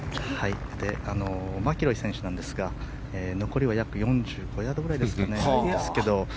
マキロイ選手ですが残りは約４５ヤードくらいですかね。